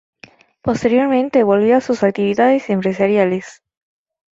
Posteriormente volvió a sus actividades empresariales.